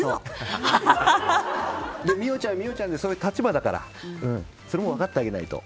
美桜ちゃんは美桜ちゃんでそういう立場だからそれも分かってあげないと。